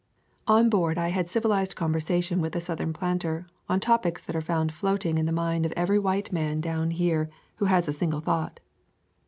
On board I had civilized conversation with a Southern planter on topics that are found float ing in the mind of every white man down here [ 85 ] A Thousand Mile Walk who has a single thought.